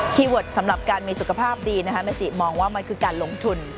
เวิร์ดสำหรับการมีสุขภาพดีนะคะเมจิมองว่ามันคือการลงทุน